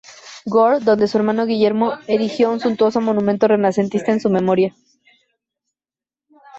Goar, donde su hermano Guillermo erigió un suntuoso monumento renacentista en su memoria.